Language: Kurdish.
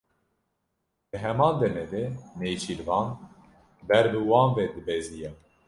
Di heman demê de nêçîrvan ber bi wan ve dibeziya.